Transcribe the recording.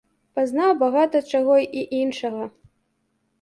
Пазнаў багата чаго і іншага.